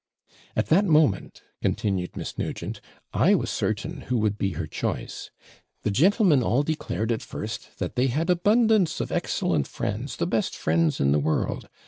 'At that moment,' continued Miss Nugent, 'I was certain who would be her choice. The gentlemen all declared at first that they had abundance of excellent friends the best friends in the world!